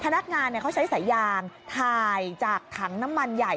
พนักงานเขาใช้สายยางถ่ายจากถังน้ำมันใหญ่